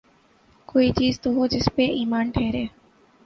کوئی چیز تو ہو جس پہ ایمان ٹھہرے۔